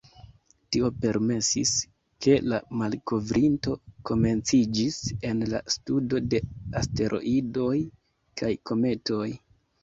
Tio permesis, ke la malkovrinto komenciĝis en la studo de asteroidoj kaj kometoj.